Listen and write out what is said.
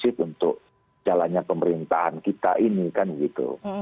lebih positif untuk jalannya pemerintahan kita ini kan gitu